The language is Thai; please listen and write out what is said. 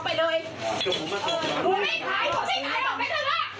ไม่คุณที่คือการรอดศรือไฟ